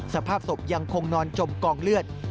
สภาพศพยังคงนอนจมกองเลือด